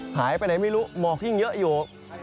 หายไปไหนไม่รู้หมอกยิ่งเยอะอยู่